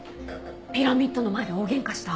ピラミッドの前で大ゲンカした？